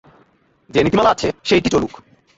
যে নীতিমালা আছে, সেইটি চলুক।